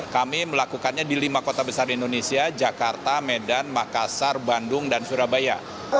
kami melakukannya di lima kota besar di indonesia jakarta medan makassar bandung dan surabaya